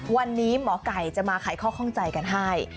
วันนี้หมอไก่จะมาไขข้อข้องใจกันให้